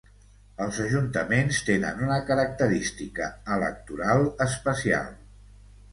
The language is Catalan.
Els ajuntaments tenen una característica electoral especial.